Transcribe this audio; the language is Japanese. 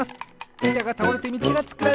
いたがたおれてみちがつくられていく！